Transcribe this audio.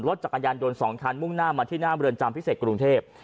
รถจักรยานยนต์๒คันมุ่งหน้ามาที่หน้าเมืองจำพิเศษกรุงเทพ